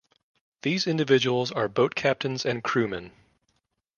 These individuals are boat captains and crewmen.